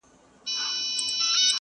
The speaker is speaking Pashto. ماله خو چرته چا رباب رانکړو